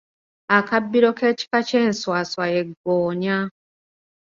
Akabbiro k’ekika ky’enswaswa ye ggoonya.